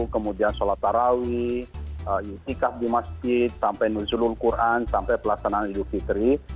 kemudian sholat tarawih itikaf di masjid sampai nuzulul quran sampai pelaksanaan idul fitri